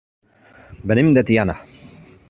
Venim de Tiana.